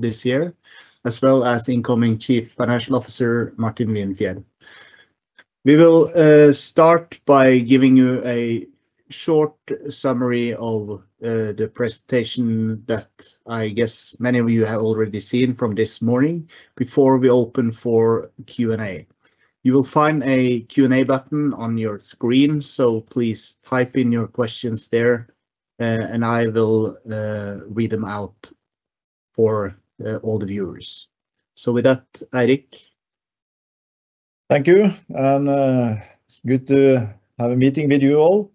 this year, as well as incoming Chief Financial Officer, Martin Wien Fjell. We will start by giving you a short summary of the presentation that I guess many of you have already seen from this morning, before we open for Q&A. You will find a Q&A button on your screen, so please type in your questions there, and I will read them out for all the viewers. So with that, Eirik? Thank you, and, it's good to have a meeting with you all.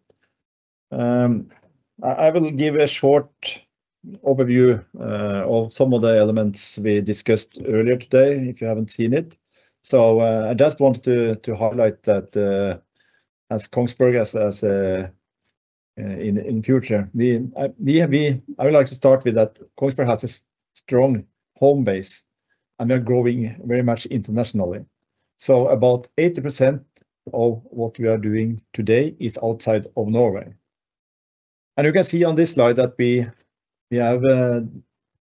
I will give a short overview of some of the elements we discussed earlier today, if you haven't seen it. So, I just wanted to highlight that, as Kongsberg, in future, we would like to start with that Kongsberg has a strong home base, and we are growing very much internationally. So about 80% of what we are doing today is outside of Norway. And you can see on this slide that we have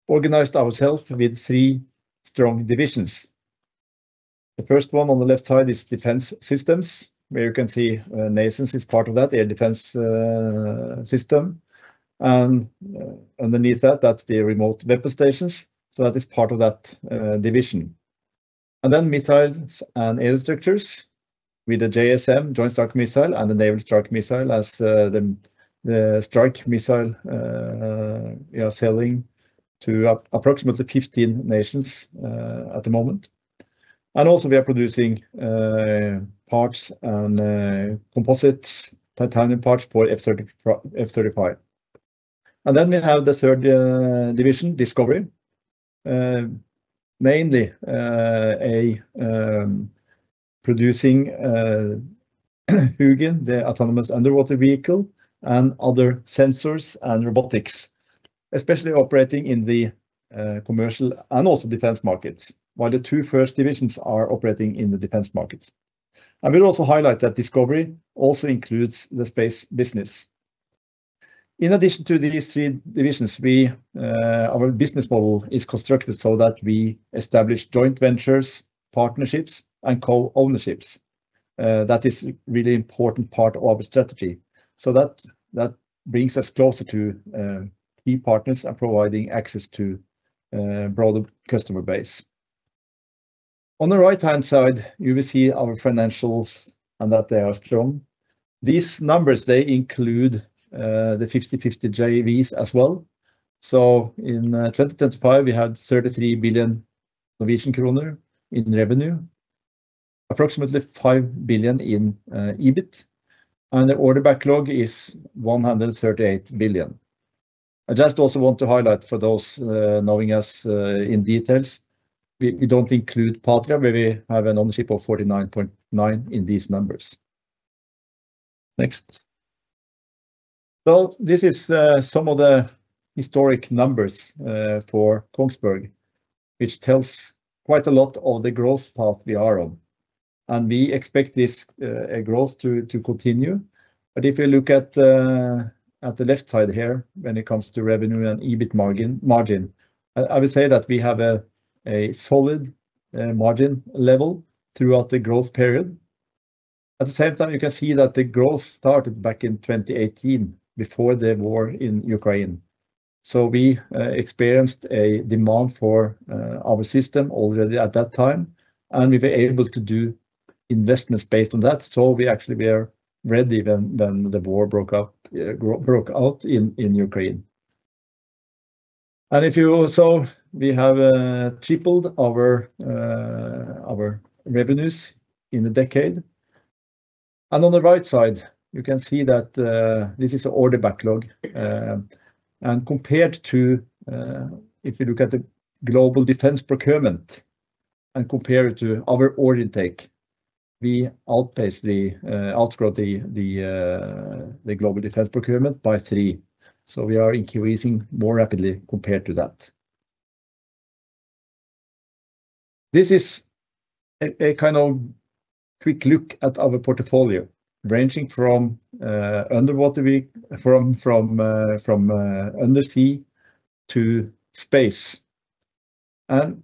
organized ourselves with three strong divisions. The first one on the left side is Defence Systems, where you can see, NASAMS is part of that, the air defense system. Underneath that, that's the remote weapon stations, so that is part of that division. And then Missiles & Aerostructures, with the JSM, Joint Strike Missile, and the Naval Strike Missile as the strike missile, we are selling to approximately 15 nations at the moment. And also, we are producing parts and composites, titanium parts for F-35, F-35. And then we have the third division, Discovery. Mainly producing HUGIN, the autonomous underwater vehicle, and other sensors and robotics, especially operating in the commercial and also defense markets, while the two first divisions are operating in the defense markets. I will also highlight that Discovery also includes the space business. In addition to these three divisions, we our business model is constructed so that we establish joint ventures, partnerships, and co-ownerships. That is a really important part of our strategy. So that, that brings us closer to, key partners and providing access to, broader customer base. On the right-hand side, you will see our financials and that they are strong. These numbers, they include, the 50/50 JVs as well. So in, 2025, we had 33 billion Norwegian kroner in revenue, approximately 5 billion in EBIT, and the order backlog is 138 billion. I just also want to highlight for those, knowing us, in details, we, we don't include Patria, where we have an ownership of 49.9 in these numbers. Next. So this is, some of the historic numbers, for Kongsberg, which tells quite a lot of the growth path we are on, and we expect this, growth to, to continue. But if you look at the left side here, when it comes to revenue and EBIT margin, I would say that we have a solid margin level throughout the growth period. At the same time, you can see that the growth started back in 2018, before the war in Ukraine. So we experienced a demand for our system already at that time, and we were able to do investments based on that. So we actually are ready when the war broke out in Ukraine. And if you also... We have tripled our revenues in a decade. And on the right side, you can see that this is an order backlog. And compared to, if you look at the global defense procurement and compare it to our order intake, we outpace the global defense procurement by three. So we are increasing more rapidly compared to that. This is a kind of quick look at our portfolio, ranging from undersea to space. And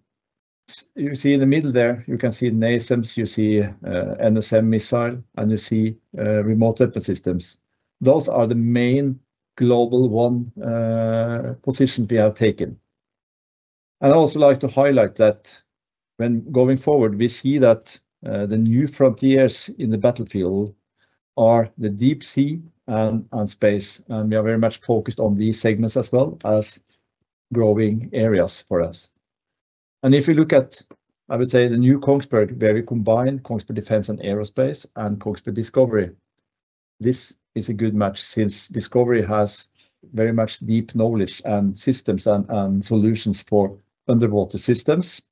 you see in the middle there, you can see NASAMS, you see, NSM missile, and you see, remote weapon systems. Those are the main global one positions we have taken. I'd also like to highlight that when going forward, we see that, the new frontiers in the battlefield are the deep sea and space, and we are very much focused on these segments as well as growing areas for us. If you look at, I would say, the new Kongsberg, where we combine Kongsberg Defense & Aerospace and Kongsberg Discovery, this is a good match, since Discovery has very much deep knowledge and systems and, and solutions for underwater systems,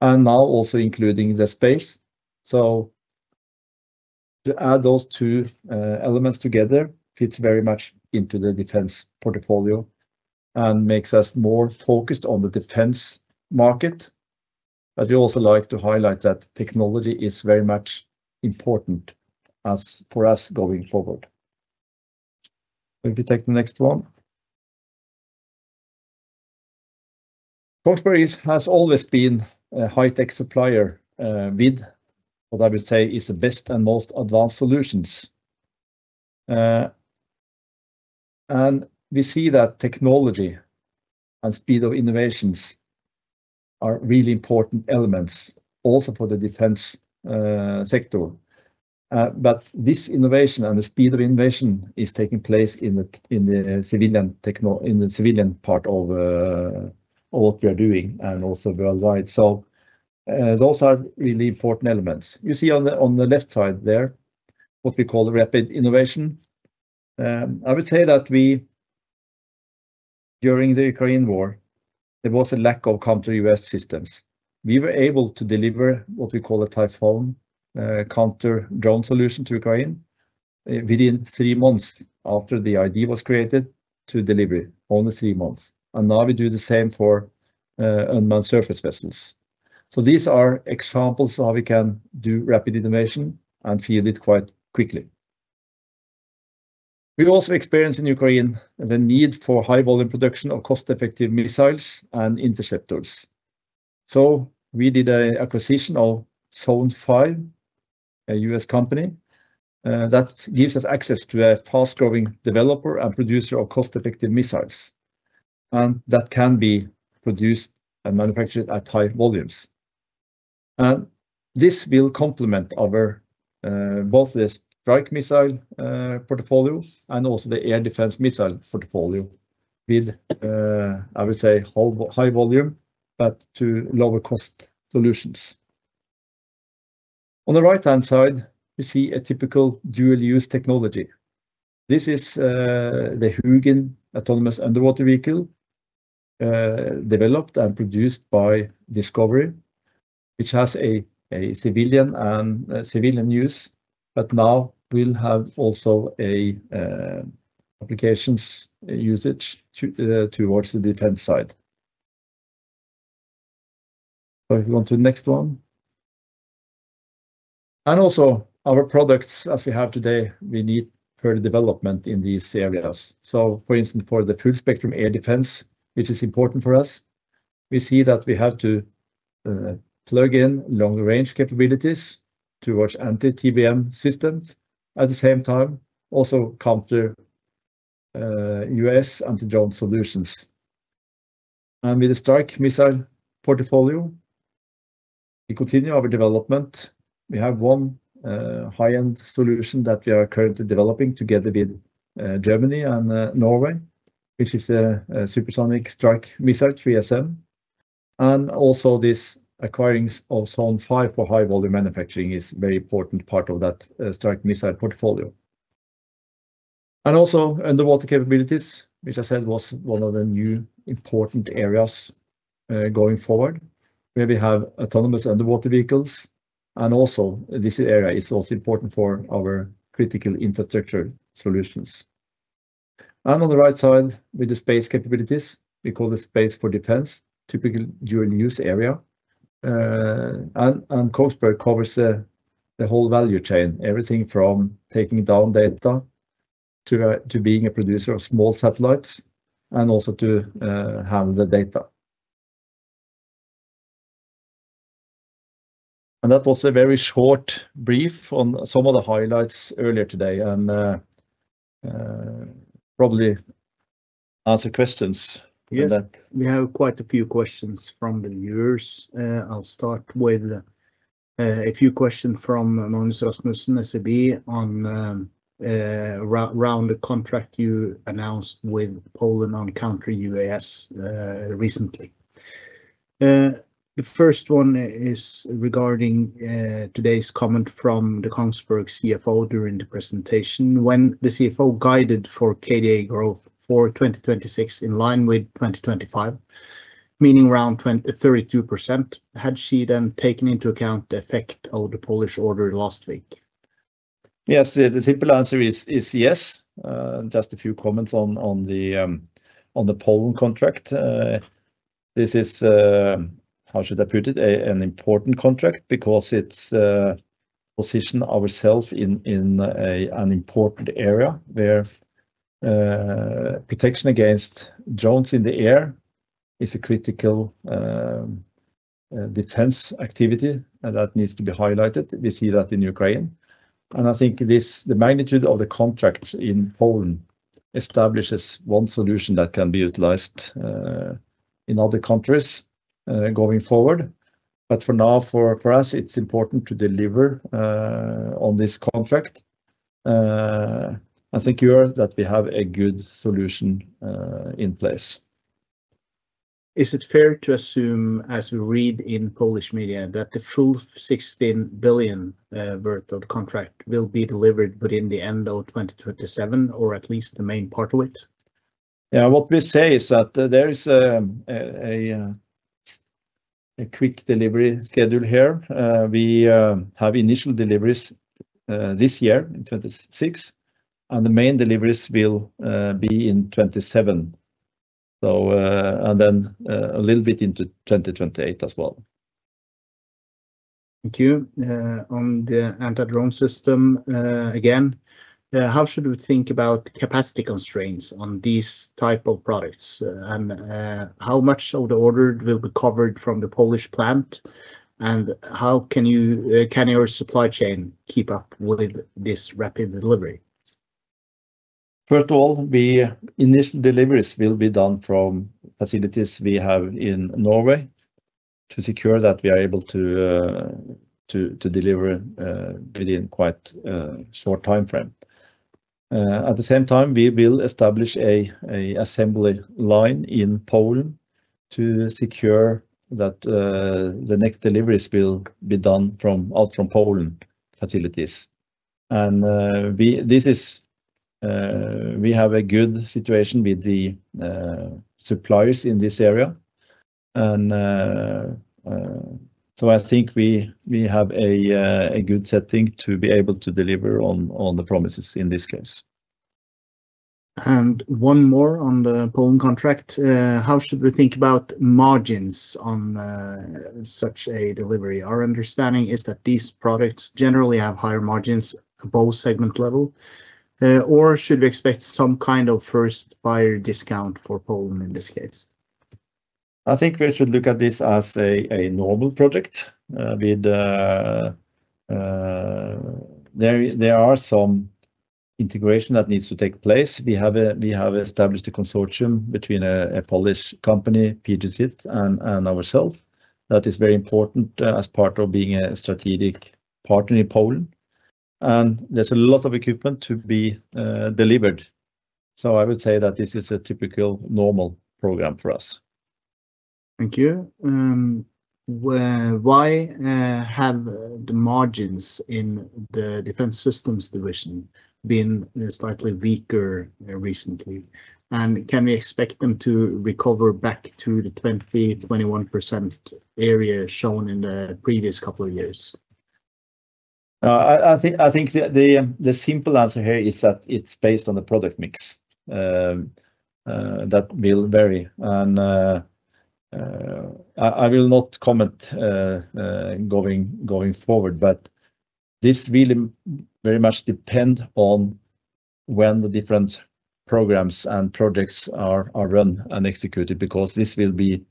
and now also including the space. So to add those two elements together fits very much into the defense portfolio and makes us more focused on the defense market. I'd also like to highlight that technology is very much important as for us going forward. Can we take the next one? Kongsberg has always been a high-tech supplier with what I would say is the best and most advanced solutions. And we see that technology and speed of innovations are really important elements, also for the defense sector. But this innovation and the speed of innovation is taking place in the civilian part of what we are doing and also worldwide. So, those are really important elements. You see on the left side there, what we call rapid innovation. I would say that we, during the Ukrainian war, there was a lack of counter UAS systems. We were able to deliver what we call a Typhon counter-drone solution to Ukraine within 3 months after the idea was created, to delivery, only three months, and now we do the same for unmanned surface vessels. So these are examples of how we can do rapid innovation and field it quite quickly. We also experienced in Ukraine the need for high-volume production of cost-effective missiles and interceptors. So we did a acquisition of Zone 5, a U.S. company, that gives us access to a fast-growing developer and producer of cost-effective missiles, and that can be produced and manufactured at high volumes. And this will complement our both the strike missile portfolio and also the air defense missile portfolio with I would say high volume, but to lower cost solutions. On the right-hand side, you see a typical dual-use technology. This is the HUGIN autonomous underwater vehicle developed and produced by Discovery, which has a civilian and civilian use, but now will have also a applications usage towards the defense side. So if you go on to the next one. And also, our products, as we have today, we need further development in these areas. So for instance, for the full-spectrum air defense, which is important for us, we see that we have to plug in long-range capabilities towards anti-TBM systems, at the same time, also counter UAS and drone solutions. And with the strike missile portfolio, we continue our development. We have one high-end solution that we are currently developing together with Germany and Norway, which is a supersonic strike missile, 3SM. And also, this acquiring of Zone 5 for high-volume manufacturing is very important part of that strike missile portfolio. And also, underwater capabilities, which I said was one of the new important areas going forward, where we have autonomous underwater vehicles, and also this area is also important for our critical infrastructure solutions. And on the right side, with the space capabilities, we call this space for defense, typical dual use area. And Kongsberg covers the whole value chain, everything from taking down data to being a producer of small satellites and also to have the data. That was a very short brief on some of the highlights earlier today, and probably answer questions. Yes, we have quite a few questions from the viewers. I'll start with a few questions from Magnus Rasmussen, SEB, on around the contract you announced with Poland on counter UAS recently. The first one is regarding today's comment from the Kongsberg CFO during the presentation, when the CFO guided for KDA growth for 2026 in line with 2025, meaning around 20%-32%, had she then taken into account the effect of the Polish order last week? Yes, the simple answer is yes. Just a few comments on the Poland contract. This is, how should I put it? An important contract because it's position ourself in an important area, where protection against drones in the air is a critical defense activity, and that needs to be highlighted. We see that in Ukraine, and I think this, the magnitude of the contract in Poland establishes one solution that can be utilized in other countries going forward. But for now, for us, it's important to deliver on this contract. I think here that we have a good solution in place. Is it fair to assume, as we read in Polish media, that the full 16 billion worth of contract will be delivered by the end of 2027, or at least the main part of it? Yeah, what we say is that there is a quick delivery schedule here. We have initial deliveries this year, in 2026... and the main deliveries will be in 2027. So, and then, a little bit into 2028 as well. Thank you. On the anti-drone system, again, how should we think about capacity constraints on these type of products? And, how much of the order will be covered from the Polish plant? And how can your supply chain keep up with this rapid delivery? First of all, the initial deliveries will be done from facilities we have in Norway to secure that we are able to deliver within quite short time frame. At the same time, we will establish an assembly line in Poland to secure that the next deliveries will be done from our Poland facilities. And we have a good situation with the suppliers in this area, and so I think we have a good setting to be able to deliver on the promises in this case. One more on the Poland contract. How should we think about margins on such a delivery? Our understanding is that these products generally have higher margins above segment level. Or should we expect some kind of first buyer discount for Poland in this case? I think we should look at this as a normal project, with there are some integration that needs to take place. We have established a consortium between a Polish company, PGZ, and ourselves. That is very important, as part of being a strategic partner in Poland, and there's a lot of equipment to be delivered. So I would say that this is a typical, normal program for us. Thank you. Well, why have the margins in the Defence Systems division been slightly weaker recently? And can we expect them to recover back to the 20%-21% area shown in the previous couple of years? I think the simple answer here is that it's based on the product mix. That will vary, and I will not comment going forward, but this will very much depend on when the different programs and projects are run and executed, because this will be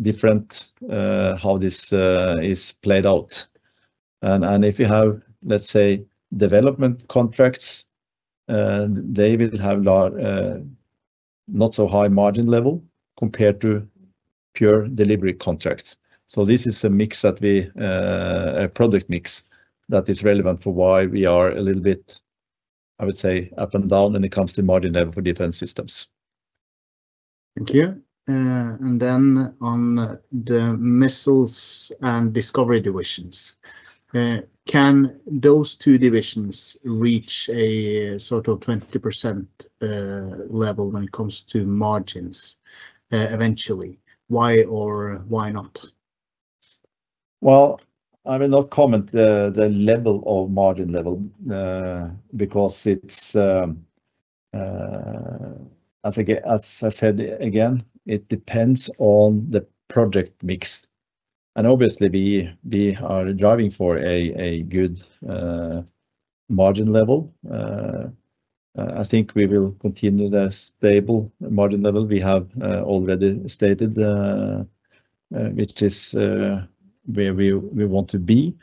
different how this is played out. And if you have, let's say, development contracts, they will have lower, not so high margin level compared to pure delivery contracts. So this is a mix, a product mix that is relevant for why we are a little bit, I would say, up and down when it comes to margin level for Defence Systems. Thank you. And then on the missiles and discovery divisions, can those two divisions reach a sort of 20% level when it comes to margins, eventually? Why or why not? Well, I will not comment the level of margin level, because it's, as I said, again, it depends on the project mix. And obviously, we are driving for a good margin level. I think we will continue the stable margin level we have already stated, which is where we want to be.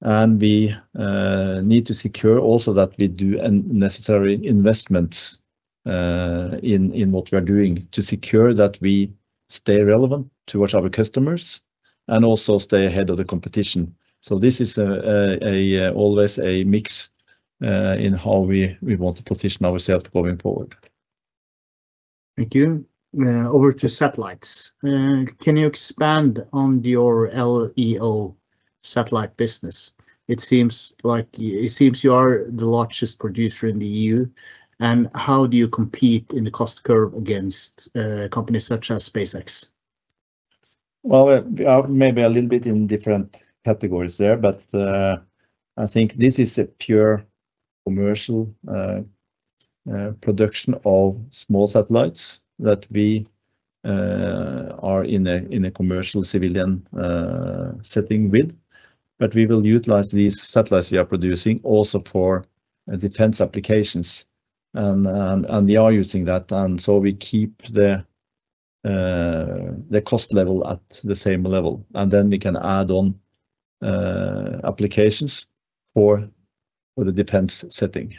And we need to secure also that we do the necessary investments in what we are doing, to secure that we stay relevant towards our customers, and also stay ahead of the competition. So this is always a mix in how we want to position ourselves going forward. Thank you. Over to satellites. Can you expand on your LEO satellite business? It seems like... It seems you are the largest producer in the EU. And how do you compete in the cost curve against, companies such as SpaceX? Well, we are maybe a little bit in different categories there, but I think this is a pure commercial production of small satellites that we are in a commercial, civilian setting with. But we will utilize these satellites we are producing also for defense applications. And we are using that, and so we keep the cost level at the same level, and then we can add on applications for the defense setting.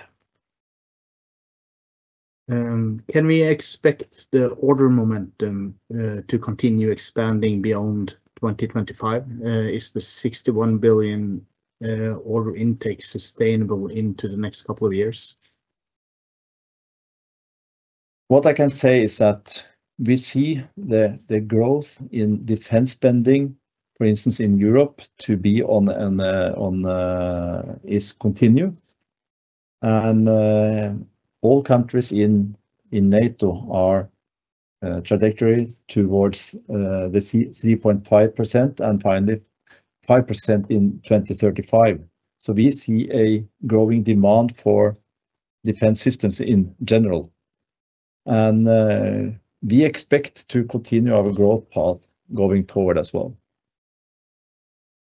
Can we expect the order momentum to continue expanding beyond 2025? Is the 61 billion order intake sustainable into the next couple of years? What I can say is that we see the growth in defense spending, for instance, in Europe, to be on a continuing trajectory towards the 3.5%, and finally, 5% in 2035. So we see a growing demand for Defence Systems in general, and we expect to continue our growth path going forward as well.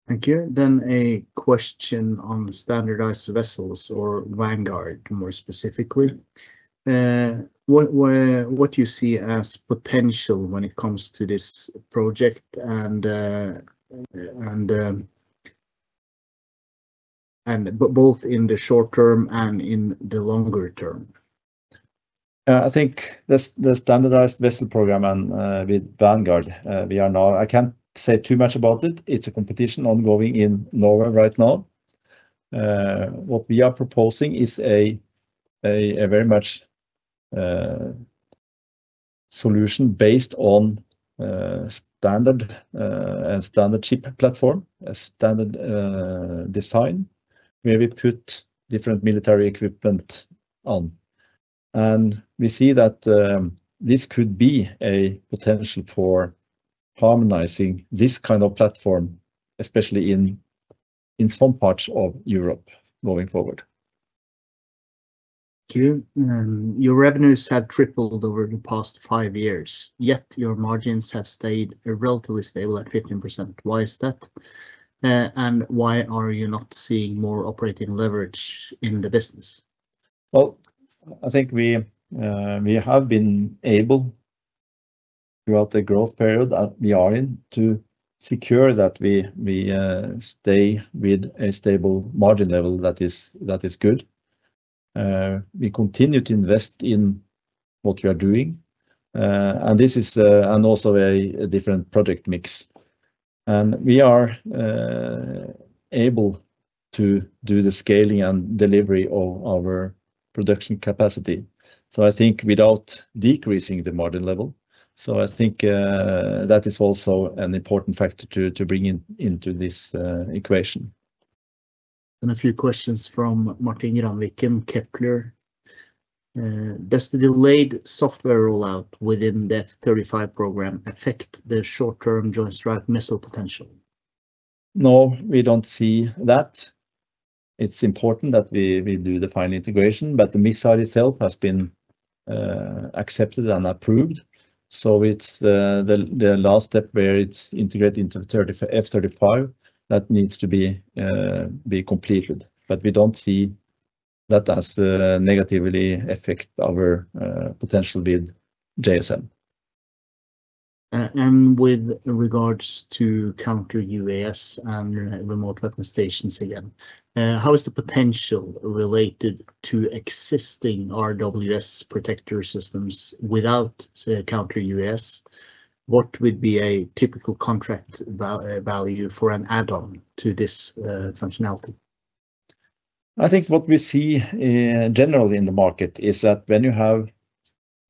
Thank you. Then a question on standardized vessels or Vanguard, more specifically. What, where, what do you see as potential when it comes to this project and both in the short term and in the longer term? I think the standardized vessel program and with Vanguard, we are now—I can't say too much about it. It's a competition ongoing in Norway right now. What we are proposing is a very much solution based on standard ship platform, a standard design, where we put different military equipment on. And we see that this could be a potential for harmonizing this kind of platform, especially in some parts of Europe going forward. Thank you. Your revenues have tripled over the past five years, yet your margins have stayed relatively stable at 15%. Why is that? And why are you not seeing more operating leverage in the business? Well, I think we, we have been able, throughout the growth period that we are in, to secure that we, we stay with a stable margin level that is, that is good. We continue to invest in what we are doing, and this is, and also a, a different project mix. We are able to do the scaling and delivery of our production capacity, so I think without decreasing the margin level. I think that is also an important factor to, to bring in, into this equation. A few questions from Martin Granviken, Kepler. Does the delayed software rollout within the F-35 program affect the short-term Joint Strike Missile potential? No, we don't see that. It's important that we do the final integration, but the missile itself has been accepted and approved, so it's the last step where it's integrated into F-35 that needs to be completed. But we don't see that as negatively affect our potential with JSM. And with regards to counter-UAS and remote weapon stations again, how is the potential related to existing RWS Protector systems without, say, counter-UAS? What would be a typical contract value for an add-on to this functionality? I think what we see, generally in the market is that when you have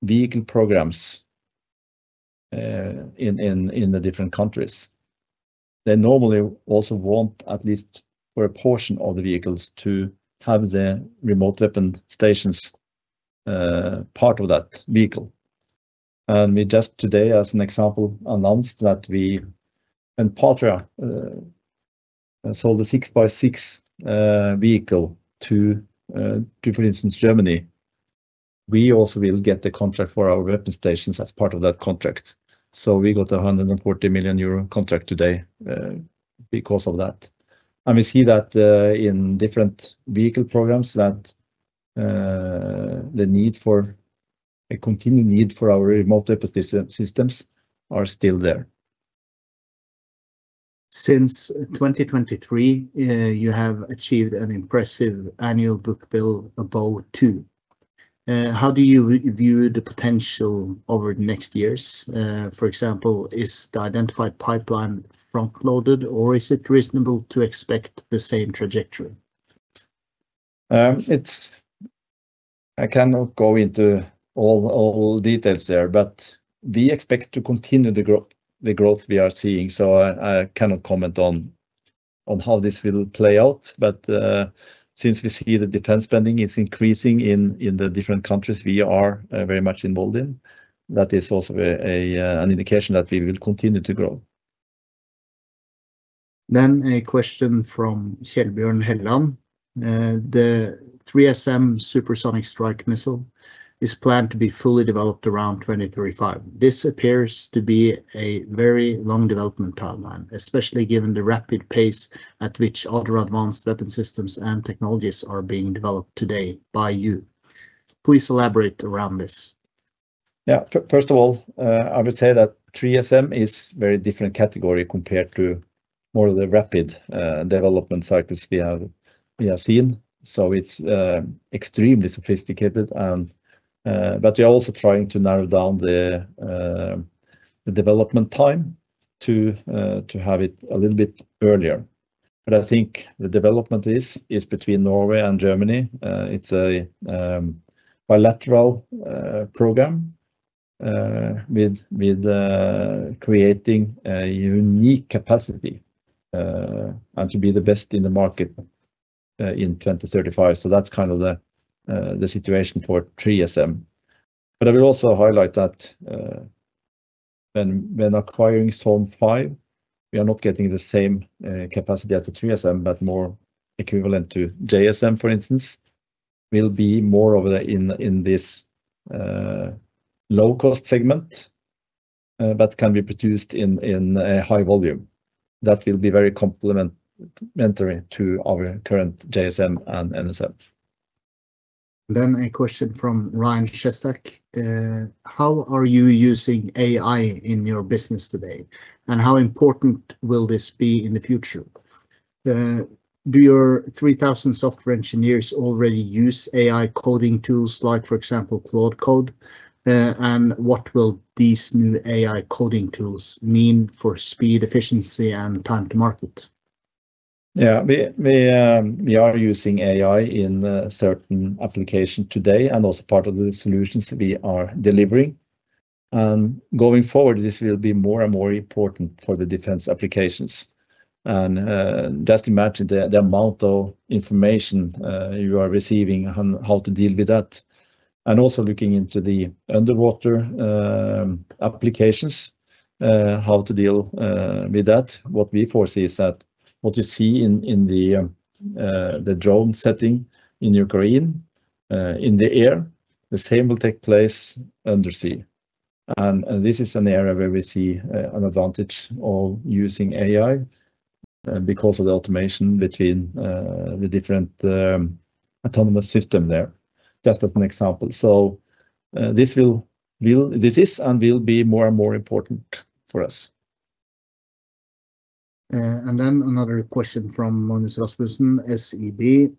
vehicle programs, in the different countries, they normally also want at least for a portion of the vehicles to have the remote weapon stations, part of that vehicle. And we just today, as an example, announced that we and Patria sold a 6x6 vehicle to, for instance, Germany. We also will get the contract for our weapon stations as part of that contract. So we got a 140 million euro contract today, because of that. And we see that, in different vehicle programs that, the need for... a continued need for our remote weapon systems are still there. Since 2023, you have achieved an impressive annual book build above two. How do you view the potential over the next years? For example, is the identified pipeline front-loaded, or is it reasonable to expect the same trajectory? I cannot go into all details there, but we expect to continue the growth, the growth we are seeing, so I cannot comment on how this will play out. But, since we see the defense spending is increasing in the different countries we are very much involved in, that is also an indication that we will continue to grow. Then a question from Kjellbjørn Helland. The 3SM Supersonic Strike Missile is planned to be fully developed around 2035. This appears to be a very long development timeline, especially given the rapid pace at which other advanced weapon systems and technologies are being developed today by you. Please elaborate around this. Yeah. First of all, I would say that 3SM is very different category compared to more of the rapid development cycles we have seen. So it's extremely sophisticated and... but we are also trying to narrow down the development time to have it a little bit earlier. But I think the development is between Norway and Germany. It's a bilateral program with creating a unique capacity and to be the best in the market... in 2035. So that's kind of the situation for three SM. But I will also highlight that, when acquiring Zone 5, we are not getting the same capacity as the 3SM, but more equivalent to JSM, for instance, will be more over the in this low-cost segment, but can be produced in a high volume. That will be very complementary to our current JSM and NSM. Then a question from Ryan Shestack. "How are you using AI in your business today, and how important will this be in the future? Do your 3,000 software engineers already use AI coding tools, like, for example, Cloud Code? And what will these new AI coding tools mean for speed, efficiency, and time to market? Yeah. We are using AI in certain application today, and also part of the solutions we are delivering. And going forward, this will be more and more important for the defense applications. And just imagine the amount of information you are receiving and how to deal with that. And also looking into the underwater applications, how to deal with that. What we foresee is that what you see in the drone setting in Ukraine in the air, the same will take place under sea. And this is an area where we see an advantage of using AI because of the automation between the different autonomous system there, just as an example. So this will. This is and will be more and more important for us. And then another question from Magnus Rasmussen, SEB.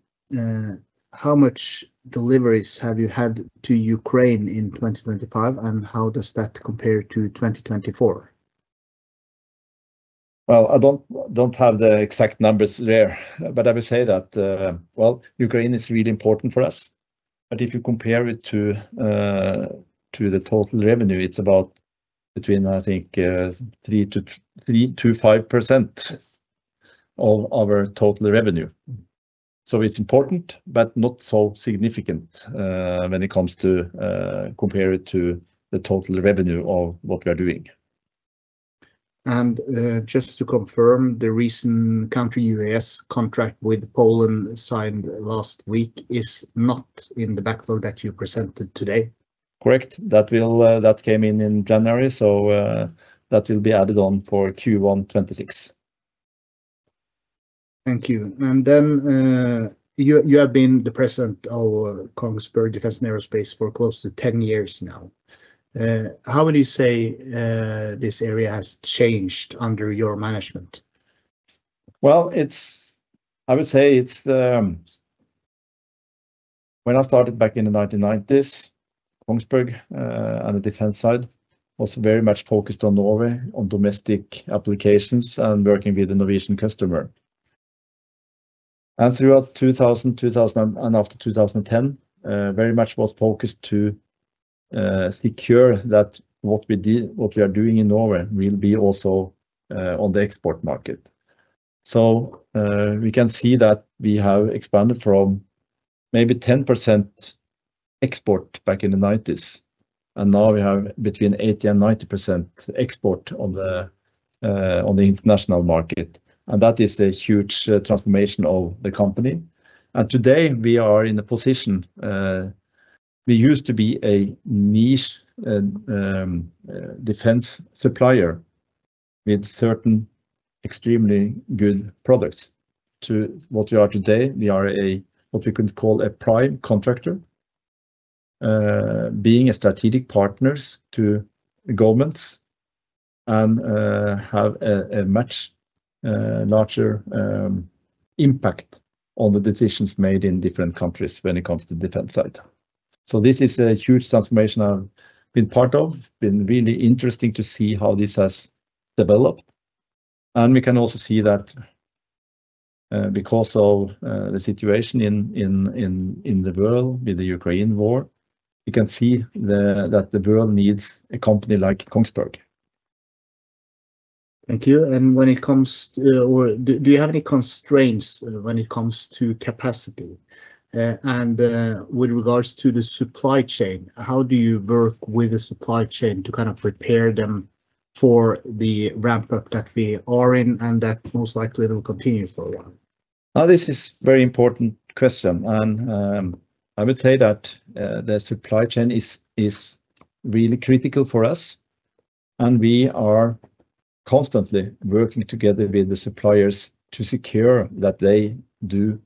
"How much deliveries have you had to Ukraine in 2025, and how does that compare to 2024? Well, I don't have the exact numbers there, but I will say that, well, Ukraine is really important for us. But if you compare it to, to the total revenue, it's about between, I think, 3%-5% of our total revenue. So it's important, but not so significant, when it comes to, compare it to the total revenue of what we are doing. Just to confirm, the recent counter-UAS contract with Poland, signed last week, is not in the backlog that you presented today? Correct. That will, that came in in January, so, that will be added on for Q1 2026. Thank you. And then, you have been the president of Kongsberg Defence & Aerospace for close to ten years now. How would you say this area has changed under your management? Well, it's. I would say it's when I started back in the 1990s, Kongsberg on the defense side was very much focused on Norway, on domestic applications, and working with the Norwegian customer. And throughout 2000 and after 2010, very much was focused to secure that what we did, what we are doing in Norway will be also on the export market. So we can see that we have expanded from maybe 10% export back in the 1990s, and now we have between 80% and 90% export on the international market, and that is a huge transformation of the company. And today, we are in a position, we used to be a niche and defense supplier with certain extremely good products. To what we are today, we are what we could call a prime contractor. Being a strategic partners to governments and have a much larger impact on the decisions made in different countries when it comes to the defense side. So this is a huge transformation I've been part of, been really interesting to see how this has developed. And we can also see that because of the situation in the world, with the Ukrainian war, you can see that the world needs a company like Kongsberg. Thank you. When it comes to, do you have any constraints when it comes to capacity? With regards to the supply chain, how do you work with the supply chain to kind of prepare them for the ramp up that we are in, and that most likely will continue for a while? This is very important question, and I would say that the supply chain is really critical for us, and we are constantly working together with the suppliers to secure that they do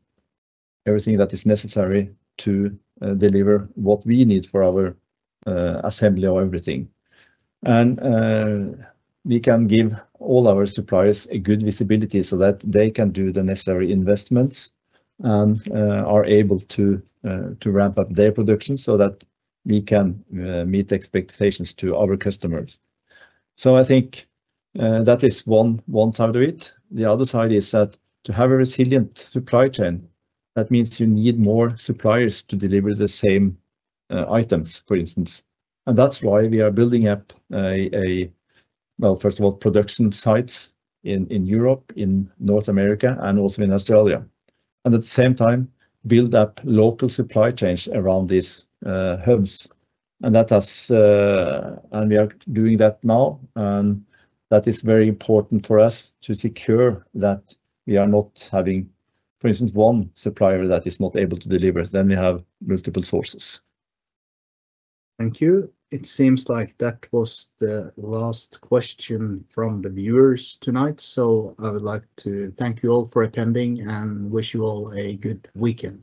everything that is necessary to deliver what we need for our assembly of everything. We can give all our suppliers a good visibility so that they can do the necessary investments and are able to to ramp up their production so that we can meet expectations to our customers. So I think that is one side of it. The other side is that to have a resilient supply chain, that means you need more suppliers to deliver the same items, for instance. That's why we are building up a well, first of all, production sites in Europe, in North America, and also in Australia. And at the same time, build up local supply chains around these hubs. And that has... And we are doing that now, and that is very important for us to secure that we are not having, for instance, one supplier that is not able to deliver, then we have multiple sources. Thank you. It seems like that was the last question from the viewers tonight, so I would like to thank you all for attending, and wish you all a good weekend.